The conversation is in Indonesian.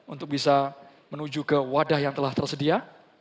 untuk bisa menuju ke wadah yang telah tersedia